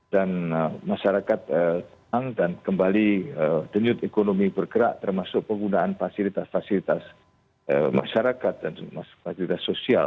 dan masyarakat tenang dan kembali denyut ekonomi bergerak termasuk penggunaan fasilitas fasilitas masyarakat dan fasilitas sosial